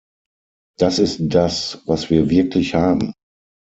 Das ist das, was wir wirklich haben.